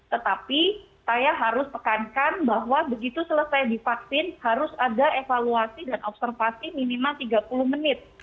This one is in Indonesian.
tetapi saya harus tekankan bahwa begitu selesai divaksin harus ada evaluasi dan observasi minimal tiga puluh menit